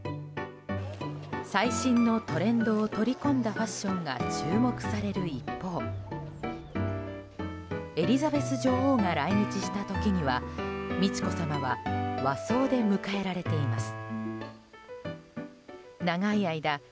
最新のトレンドを取り込んだファッションが注目される一方エリザベス女王が来日した時には美智子さまは和装で迎えられています。